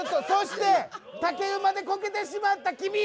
そして竹馬でこけてしまった君！